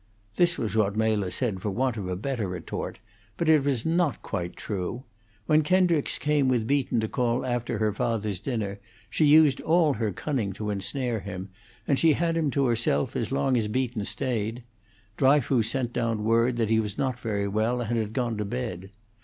This was what Mela said for want of a better retort; but it was not quite true. When Kendricks came with Beaton to call after her father's dinner, she used all her cunning to ensnare him, and she had him to herself as long as Beaton stayed; Dryfoos sent down word that he was not very well and had gone to bed.